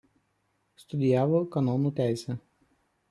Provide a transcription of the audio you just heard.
Studijavo kanonų teisę.